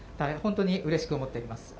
本当にうれしく思っています。